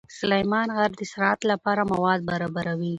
سلیمان غر د صنعت لپاره مواد برابروي.